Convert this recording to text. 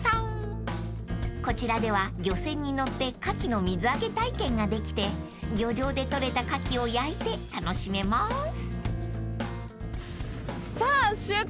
［こちらでは漁船に乗ってカキの水揚げ体験ができて漁場で採れたカキを焼いて楽しめます］